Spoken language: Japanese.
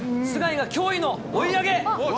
須貝が驚異の追い上げ。